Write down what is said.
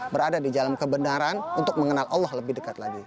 berada di dalam kebenaran untuk mengenal allah lebih dekat lagi